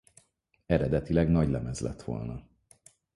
Eredetileg nagylemez lett volna.